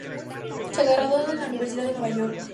Se graduó de la Universidad de Nueva York.